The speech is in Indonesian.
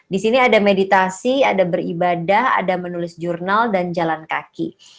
di sini ada meditasi ada beribadah ada menulis jurnal dan jalan kaki